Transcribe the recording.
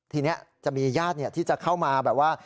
ทีนี้จะมีญาติที่จะเข้ามาแบบว่า